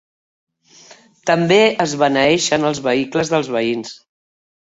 També es beneeixen els vehicles dels veïns.